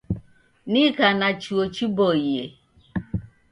Nika na chuo chiboie.